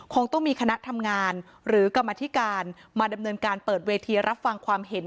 คงต้องมีคณะทำงานหรือกรรมธิการมาดำเนินการเปิดเวทีรับฟังความเห็น